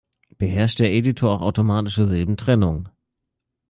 Beherrscht der Editor auch automatische Silbentrennung?